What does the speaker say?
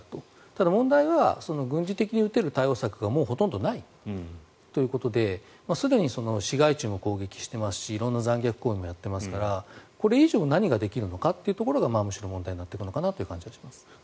ただ、問題は軍事的に打てる対応策がもうほとんどないということですでに市街地も攻撃していますし色んな残虐行為もやっていますからこれ以上何ができるのかっていうところがむしろ問題になっていくのではないかなと思います。